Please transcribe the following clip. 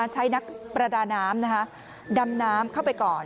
ใช้นักประดาน้ำดำน้ำเข้าไปก่อน